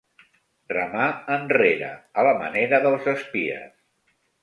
Remar enrere, a la manera dels espies.